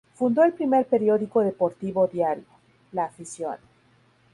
Fundó el primer periódico deportivo diario, La Afición.